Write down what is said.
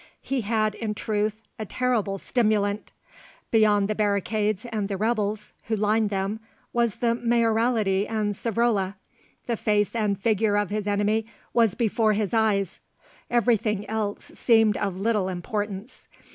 He had, in truth, a terrible stimulant. Beyond the barricades and the rebels who lined them was the Mayoralty and Savrola. The face and figure of his enemy was before his eyes; everything else seemed of little importance.